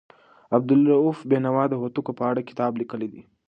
عبدالروف بېنوا د هوتکو په اړه کتاب لیکلی دی.